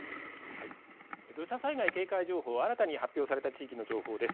土砂災害警戒情報、新たに発表された地域の情報です。